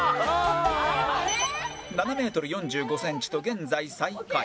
７メートル４５センチと現在最下位